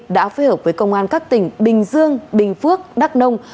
đã phối hợp với công an các tỉnh bình dương bình phước đắk nông